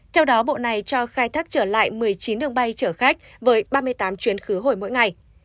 theo đó bộ này cho khai thác trở lại một mươi chín đường bay chở khách với ba mươi tám chuyến khứ hồi mỗi ngày